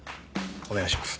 お願いします。